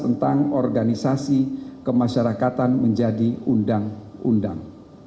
tentang organisasi kemasyarakatan menjadi undang undang